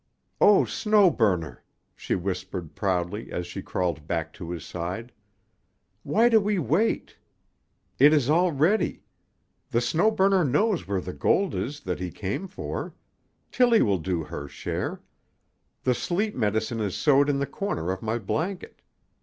"Oh, Snow Burner!" she whispered proudly as she crawled back to his side. "Why do we wait? It is all ready. The Snow Burner knows where the gold is that he came for. Tillie will do her share. The sleep medicine is sewed in the corner of my blanket.